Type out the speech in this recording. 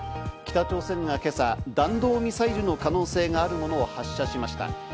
北朝鮮が今朝、弾道ミサイルの可能性があるものを発射しました。